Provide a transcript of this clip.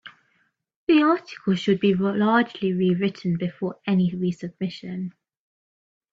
The article should be largely rewritten before any resubmission.